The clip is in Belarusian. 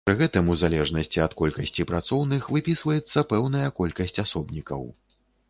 Пры гэтым, у залежнасці ад колькасці працоўных, выпісваецца пэўная колькасць асобнікаў.